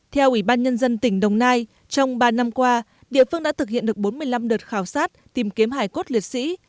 theo ủy ban nhân dân tỉnh đồng nai trong ba năm qua địa phương đã thực hiện được bốn mươi năm đợt khảo sát tìm kiếm hải cốt liệt sĩ